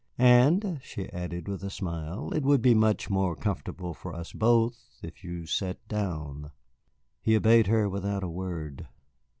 And," she added, with a smile, "it would be much more comfortable for us both if you sat down." He obeyed her without a word.